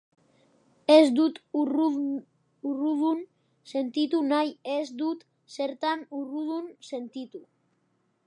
Ez dut errudun sentitu nahi, ez dut zertan errudun sentitu.